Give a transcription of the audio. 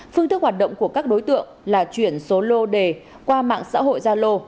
phương thức hoạt động của các đối tượng là chuyển số lô đề qua mạng xã hội gia lô